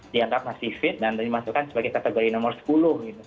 dianggap masih fit dan dimasukkan sebagai kategori nomor sepuluh gitu